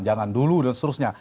jangan dulu dan seterusnya